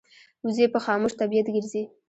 وزې په خاموش طبیعت ګرځي